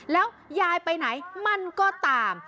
แล้วยายไปไหนมันก็ตาม